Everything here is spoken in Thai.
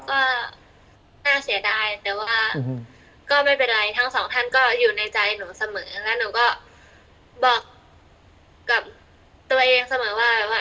ก็น่าเสียดายแต่ว่าก็ไม่เป็นไรทั้งสองท่านก็อยู่ในใจหนูเสมอแล้วหนูก็บอกกับตัวเองเสมอว่าว่า